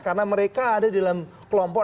karena mereka ada di dalam kelompok